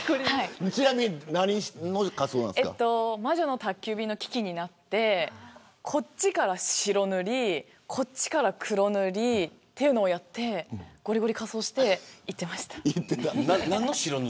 魔女の宅急便のキキになってこっちが白塗りこっちが黒塗りというのをやってごりごりに仮装して行ってました。